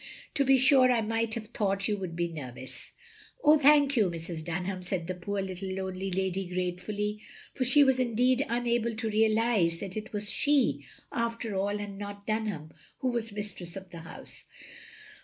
To be sure I might have thought you would be nervous. " "Oh, thank you, Mrs. Dtmham, " said the poor little lonely lady, gratefully. For she was indeed unable to realise that it was she, after all, and OF GROSVENOR SQUARE 85 not Dunham, who was mistress of the house.